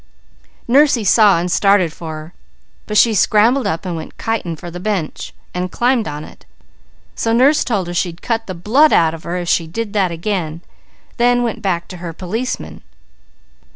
Nursie saw and started for her, but she scrambled up and went kiting for the bench, and climbed on it, so nurse told her she'd cut the blood out of her if she did that again, then went back to her policeman.